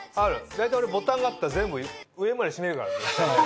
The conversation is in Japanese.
大体俺ボタンがあったら全部上までしめるから絶対。